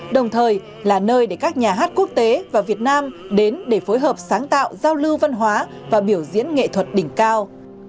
đồng thời là nơi để các nhà hát quốc tế và việt nam đến để phối hợp sáng tạo giao lưu văn hóa và biểu diễn nghệ thuật đỉnh cao